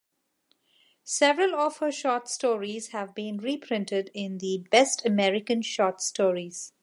Several of her short stories have been reprinted in "The Best American Short Stories".